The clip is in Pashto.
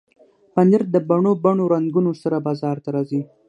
پنېر د بڼو بڼو رنګونو سره بازار ته راځي.